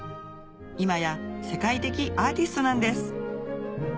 今や世界的アーティストなんです